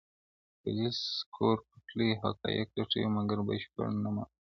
پوليس کور پلټي او حقايق لټوي مګر بشپړ نه مومي-